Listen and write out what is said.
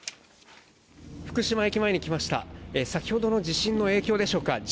福島駅前に来ました先ほどの地震の影響でしょうか